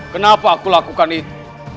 kenapa aku lakukan itu